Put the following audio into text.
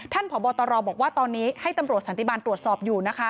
พบตรบอกว่าตอนนี้ให้ตำรวจสันติบาลตรวจสอบอยู่นะคะ